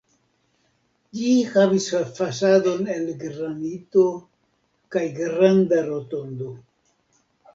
Ĝi havis fasadon el granito kaj granda rotondo.